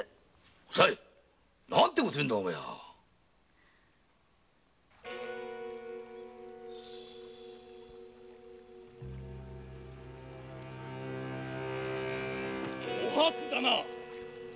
おさい何てことを言うんだお前はお初だな？